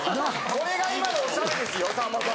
これが今のおしゃれですよさんまさん。